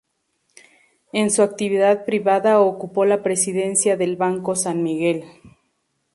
En su actividad privada ocupó la presidencia del Banco San Miguel.